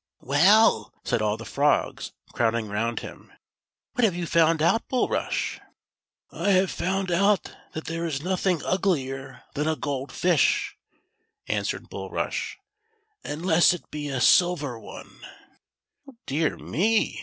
"Well," said all the frogs, crowding round him; "what have you found out, Bulrush.'" " I have found out that there is nothing uglier than a gold fish," answered Bulrush, " unless it be a silver one," "Dear me!"